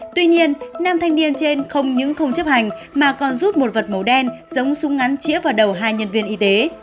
tuy nhiên nam thanh niên trên không những không chấp hành mà còn rút một vật màu đen giống súng ngắn chĩa vào đầu hai nhân viên y tế